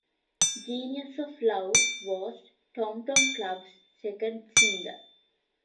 "Genius of Love" was Tom Tom Club's second single.